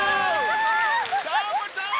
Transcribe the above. どーもどーも！